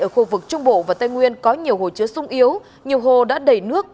ở khu vực trung bộ và tây nguyên có nhiều hồ chứa sung yếu nhiều hồ đã đầy nước